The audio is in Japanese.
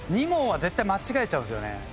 ２問は絶対間違えちゃうんですよね。